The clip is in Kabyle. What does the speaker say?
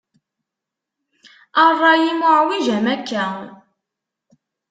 A rray-im uɛwiǧ am akka.